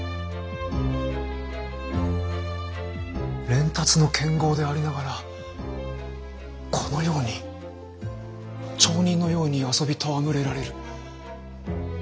練達の剣豪でありながらこのように町人のように遊び戯れられる。